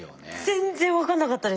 全然分かんなかったです。